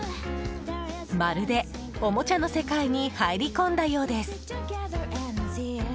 まるで、おもちゃの世界に入り込んだようです。